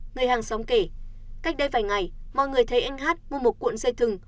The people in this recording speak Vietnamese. người hàng xóm kể cách đây vài ngày mọi người thấy anh hát mua một cuộn dây thừng